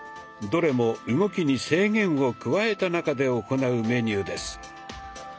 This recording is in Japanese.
どれも動きに制限を加えた中で行うメニューです。